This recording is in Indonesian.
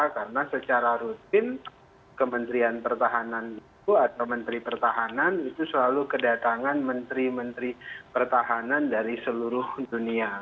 karena secara rutin kementerian pertahanan itu atau menteri pertahanan itu selalu kedatangan menteri menteri pertahanan dari seluruh dunia